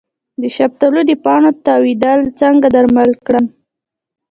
د شفتالو د پاڼو تاویدل څنګه درمل کړم؟